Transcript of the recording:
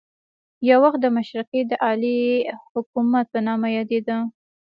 یو وخت د مشرقي د اعلی حکومت په نامه یادېده.